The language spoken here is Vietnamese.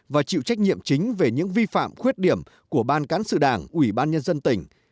và chịu trách nhiệm chính về những vi phạm khuyết điểm của ban cán sự đảng ủy ban nhân dân tỉnh